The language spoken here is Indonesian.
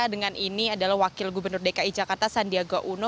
dengan ini adalah wakil gubernur dki jakarta sandiaga uno